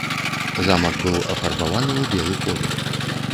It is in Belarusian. Замак быў афарбаваны ў белы колер.